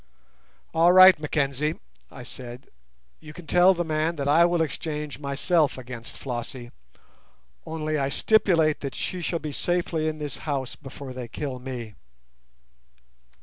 "All right, Mackenzie," I said, "you can tell the man that I will exchange myself against Flossie, only I stipulate that she shall be safely in this house before they kill me."